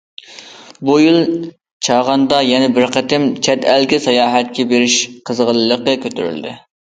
بۇ يىل چاغاندا يەنە بىر قېتىم چەت ئەلگە ساياھەتكە بېرىش قىزغىنلىقى كۆتۈرۈلدى.